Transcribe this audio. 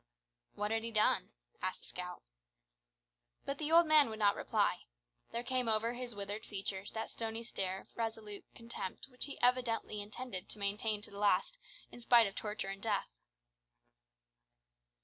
"What had he done?" asked the scout. But the old man would not reply. There came over his withered features that stony stare of resolute contempt which he evidently intended to maintain to the last in spite of torture and death.